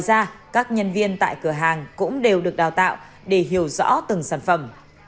ngoài ra các nhân viên tại cửa hàng cũng đều được đào tạo để hiểu rõ từng sản phẩm